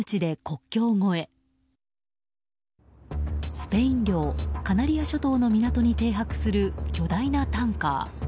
スペイン領カナリア諸島の港に停泊する巨大なタンカー。